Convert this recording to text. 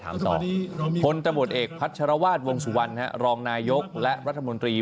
พลตำรวจเอกพัชรวาสวงสุวรรณรองนายกและรัฐมนตรี